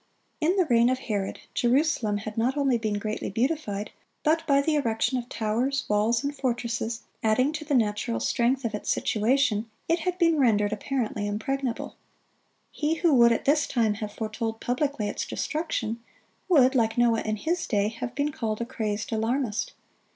In the reign of Herod, Jerusalem had not only been greatly beautified, but by the erection of towers, walls, and fortresses, adding to the natural strength of its situation, it had been rendered apparently impregnable. He who would at this time have foretold publicly its destruction, would, like Noah in his day, have been called a crazed alarmist.